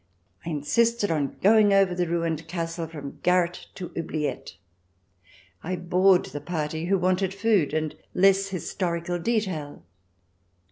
I insisted on going over the ruined castle from garret to oubliette. I bored the party, who wanted food and less historical detail.